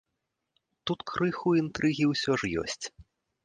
Тут крыху інтрыгі ўсё ж ёсць.